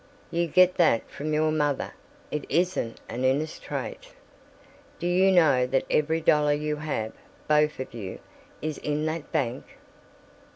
You get that from your mother; it isn't an Innes trait. Do you know that every dollar you have, both of you, is in that bank?"